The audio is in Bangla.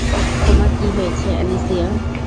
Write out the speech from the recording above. তোমার কি হয়েছে, অ্যালিসিয়া?